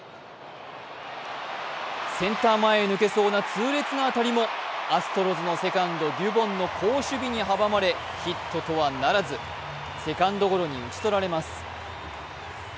センター前へ抜けそうな痛烈な当たりも、アストロズのセカンド・デュボンの好守備に阻まれ、ヒットとはならずセカンドゴロに打ち取られます。